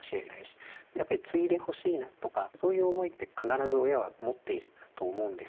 やっぱり継いでほしいなとかそういう思いって必ず親は持っていると思うんですよね。